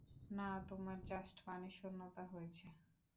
না, তোমার জাস্ট পানিশূন্যতা হয়েছে।